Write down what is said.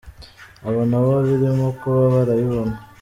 Abo na bo, ibirimo kuba barabibona.